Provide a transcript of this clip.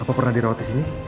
apa pernah dirawat di sini